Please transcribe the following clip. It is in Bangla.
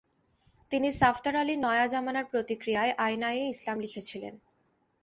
তিনি সাফদার আলীর নয়া জামানার প্রতিক্রিয়ায় আয়নায়ে ইসলাম লিখেছিলেন।